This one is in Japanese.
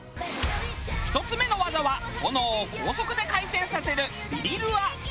１つ目の技は炎を高速で回転させるヴィリルア。